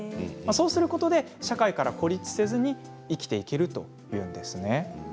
そうすることで社会から孤立せず生きていけるということなんです。